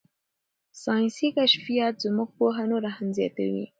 ساینسي کشفیات زموږ پوهه نوره هم زیاتوي.